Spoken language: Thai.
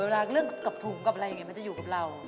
เรื่องกับถุงกับอะไรอย่างนี้มันจะอยู่กับเรา